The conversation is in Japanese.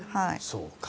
そうか。